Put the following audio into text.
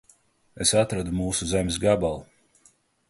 Es atradu mūsu zemes gabalu.